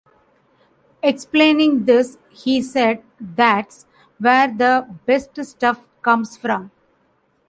Explaining this, he said, that's where the best stuff comes from.